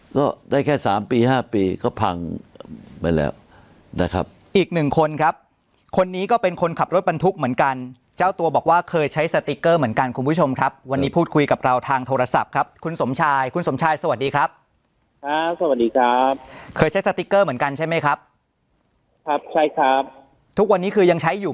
ก็ได้แค่สามปีห้าปีก็พังไปแล้วนะครับอีกหนึ่งคนครับคนนี้ก็เป็นคนขับรถบรรทุกเหมือนกันเจ้าตัวบอกว่าเคยใช้สติ๊กเกอร์เหมือนกันคุณผู้ชมครับวันนี้พูดคุยกับเราทางโทรศัพท์ครับคุณสมชายคุณสมชายสวัสดีครับครับสวัสดีครับเคยใช้สติ๊กเกอร์เหมือนกันใช่ไหมครับครับใช่ครับทุกวันนี้คือยังใช้อยู่